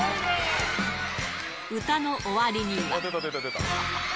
歌の終わりには。